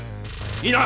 いいな！